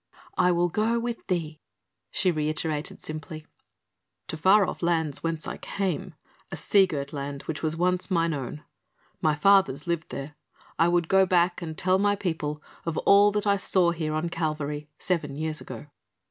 "I will go with thee," she reiterated simply. "To far off lands whence I came, a sea girt land which once was mine own. My fathers lived there. I would go back and tell my people of all that I saw here on Calvary seven years ago."